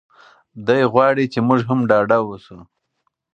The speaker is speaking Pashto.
دی غواړي چې موږ هم ډاډه اوسو.